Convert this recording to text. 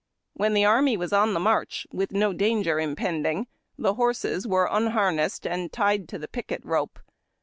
When the army was on the march, with no danger impending, the horses were unhar nessed and tied to the picket ro})e.